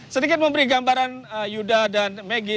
sedikit memberi gambaran yuda dan megi